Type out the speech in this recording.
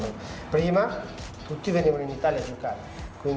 sebelumnya semua orang datang ke italia untuk bermain